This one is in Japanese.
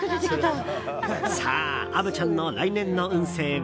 さあ、虻ちゃんの来年の運勢は。